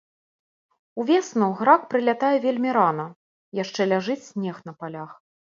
Увесну грак прылятае вельмі рана, яшчэ ляжыць снег на палях.